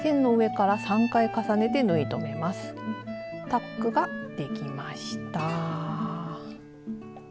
タックができました。